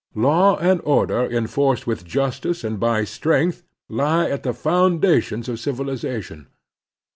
Law and order enforced with justice and by strength lie at the foundations of civilization.